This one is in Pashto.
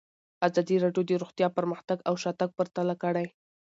ازادي راډیو د روغتیا پرمختګ او شاتګ پرتله کړی.